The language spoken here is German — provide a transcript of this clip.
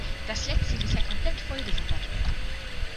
Das Lätzchen ist ja komplett vollgesabbert.